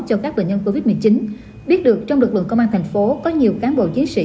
cho các bệnh nhân covid một mươi chín biết được trong lực lượng công an thành phố có nhiều cán bộ chiến sĩ